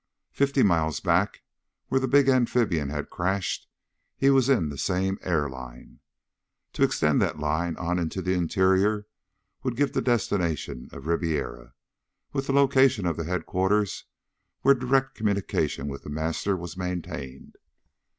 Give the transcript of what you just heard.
Fifty miles back, where the big amphibian had crashed, he was in the same air line. To extend that line on into the interior would give the destination of Ribiera, and the location of the headquarters where direct communication with The Master was maintained.